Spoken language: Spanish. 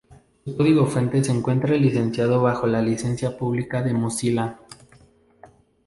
Su código fuente se encuentra licenciado bajo la Licencia Pública de Mozilla.